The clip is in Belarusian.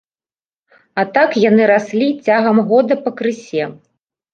А так яны раслі цягам года па крысе.